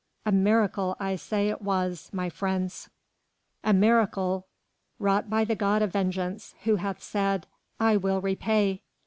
a miracle I say it was, my friends, a miracle wrought by the God of vengeance, who hath said: 'I will repay!'